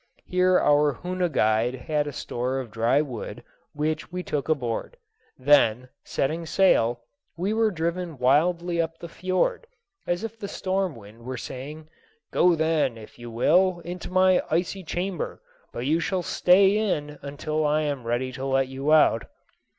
Here our Hoona guide had a store of dry wood, which we took aboard. Then, setting sail, we were driven wildly up the fiord, as if the storm wind were saying, "Go, then, if you will, into my icy chamber; but you shall stay in until I am ready to let you out."